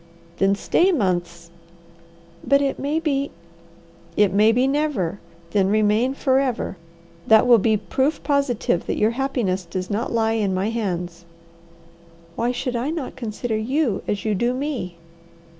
"Then stay months." "But it may be " "It may be never! Then remain forever. That will be proof positive that your happiness does not lie in my hands." "Why should I not consider you as you do me?"